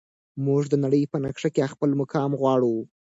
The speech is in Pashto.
موږ د نړۍ په نقشه کې خپل مقام غواړو.